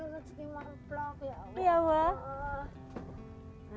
rizki yang plak rizki yang plak